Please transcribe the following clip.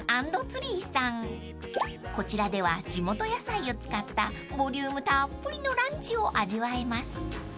［こちらでは地元野菜を使ったボリュームたっぷりのランチを味わえます］